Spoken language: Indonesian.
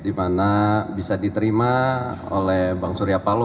dimana bisa diterima oleh bang surya pallo